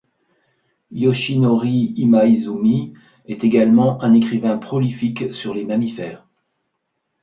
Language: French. Yoshinori Imaizumi est également un écrivain prolifique sur les mammifères.